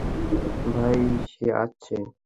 ভাই, সে আসছে।